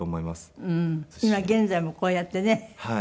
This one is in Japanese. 今現在もこうやってね